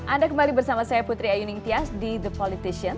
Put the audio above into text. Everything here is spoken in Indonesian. anda kembali bersama saya putri ayuning tias di the politician